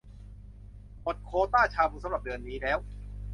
หมดโควตาชาบูสำหรับเดือนนี้แล้ว